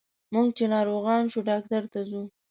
موږ چې ناروغان شو ډاکټر ته ځو.